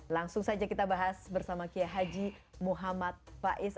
langsung saja kita bahas bersama kiai haji muhammad faiz